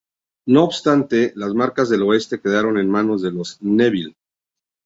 No obstante, las Marcas del Oeste quedaron en manos de los Neville.